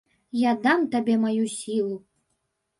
Я дам табе маю сілу.